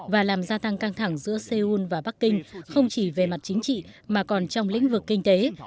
và làm gia tăng căng thẳng giữa seoul và bắc kinh không chỉ về mặt chính trị mà còn trong lĩnh vực kinh tế